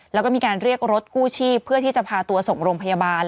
แล้วก็มีการเรียกรถกู้ชีพเพื่อที่จะพาตัวส่งโรงพยาบาล